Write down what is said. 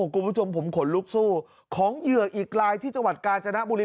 คุณผู้ชมผมขนลุกสู้ของเหยื่ออีกลายที่จังหวัดกาญจนบุรี